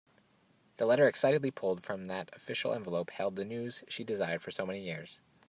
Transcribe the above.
The letter excitedly pulled from that official envelope held the news she desired for so many years.